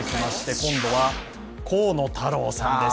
今度は河野太郎さんです。